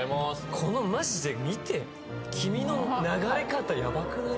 このマジで見て黄身の流れ方ヤバくない？